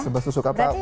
sebelas tusuk apa